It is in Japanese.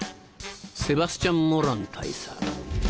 セバスチャン・モラン大佐。